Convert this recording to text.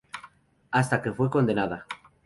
Hasta que fue condenada.